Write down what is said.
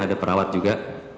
ada perawat juga